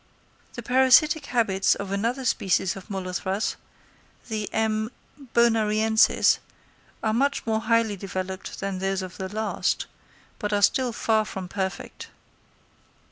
The parasitic habits of another species of Molothrus, the M. bonariensis, are much more highly developed than those of the last, but are still far from perfect.